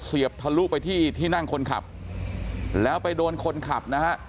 บททะลุไปที่ที่นั่งคนขับแล้วไปโดนคนขับนะฮะ